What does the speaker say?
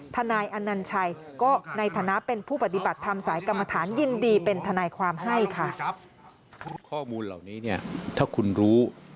นายอนัญชัยก็ในฐานะเป็นผู้ปฏิบัติธรรมสายกรรมฐานยินดีเป็นทนายความให้ค่ะ